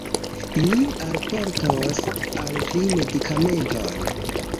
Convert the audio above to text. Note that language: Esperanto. Mi alportos al vi medikamenton